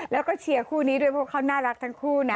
แล้วก็เชียร์คู่นี้ด้วยเพราะเขาน่ารักทั้งคู่นะ